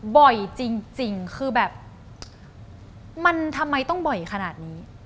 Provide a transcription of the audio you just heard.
บ่อยจริงคือแบบมันทำไมต้องบ่อยขนาดนี้